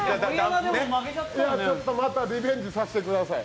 またリベンジさせてください。